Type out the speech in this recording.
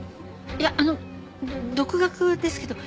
いやあの独学ですけど。